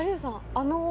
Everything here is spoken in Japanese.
あの。